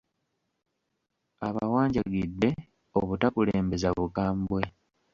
Abawanjagidde obutakulembeza bukambwe.